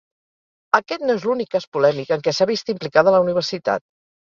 Aquest no és l'únic cas polèmic en què s'ha vist implicada la Universitat.